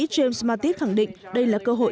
james mattis khẳng định đây là cơ hội